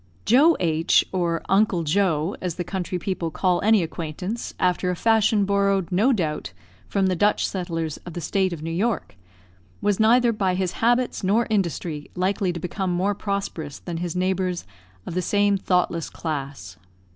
Joe H , or "Uncle Joe," as the country people call any acquaintance, after a fashion borrowed, no doubt, from the Dutch settlers of the State of New York, was, neither by his habits nor industry, likely to become more prosperous than his neighbours of the same thoughtless class.